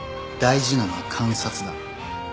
大事なのは観察だ。